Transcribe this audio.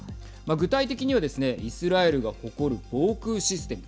具体的にはですねイスラエルが誇る防空システム。